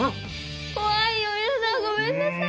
怖いよやだごめんなさい。